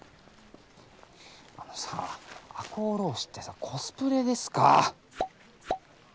あのさあ赤穂浪士ってさコスプレですか！？